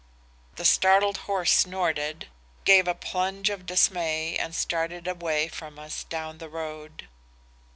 "The startled horse snorted, gave a plunge of dismay and started away from us down the road.